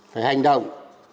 phải hành động